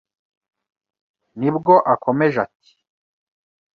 Ni bwo akomeje ati